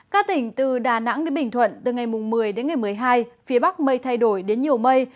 các tỉnh từ đà nẵng đến bình thuận từ ngày một mươi đến ngày một mươi hai phía bắc mây thay đổi đến nhiều mây